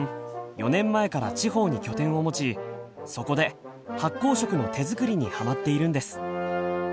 ４年前から地方に拠点を持ちそこで発酵食の手作りにハマっているんです。